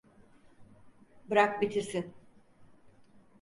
Bırak bitirsin.